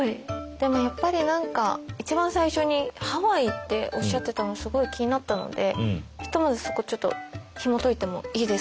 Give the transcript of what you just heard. でもやっぱり何か一番最初にハワイっておっしゃってたのすごい気になったのでひとまずそこちょっとひもといてもいいですか？